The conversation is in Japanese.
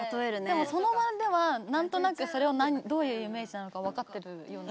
でもその場では何となくそれをどういうイメージなのか分かってるよね。